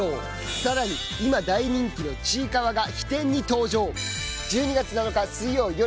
更に今大人気のちいかわが飛天に登場。